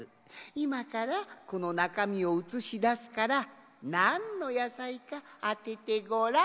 いまからこのなかみをうつしだすからなんのやさいかあててごらん。